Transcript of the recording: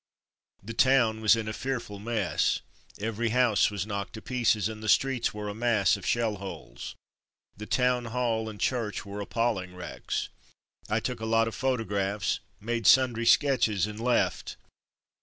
The town was in a fearful mess. Every house was knocked to pieces, and the streets were a mass of shell holes. The town hall and church were appalling wrecks. I took a lot of photographs, made sundry sketches, and left.